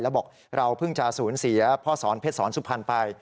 แล้วบอกเราเพิ่งจะสูญเสียพ่อสอนเพชรสอนสุพรรณไป